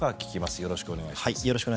よろしくお願いします。